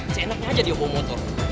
seenaknya aja dia mau motor